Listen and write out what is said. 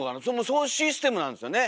そういうシステムなんですよね？